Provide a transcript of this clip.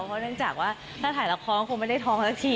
เพราะด้านจากถ้าถ่ายละครคงไม่ได้ท้องแต่ที